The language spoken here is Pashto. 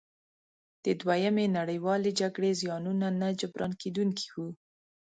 د دویمې نړیوالې جګړې زیانونه نه جبرانیدونکي وو.